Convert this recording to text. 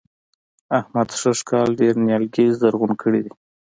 احمد سږ کال ډېر نيالګي زرغون کړي دي.